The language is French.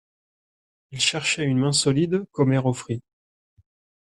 Il cherchait une main solide, qu'Omer offrit.